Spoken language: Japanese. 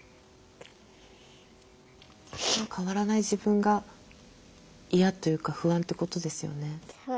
変わらない自分が嫌というか不安ってことですよね。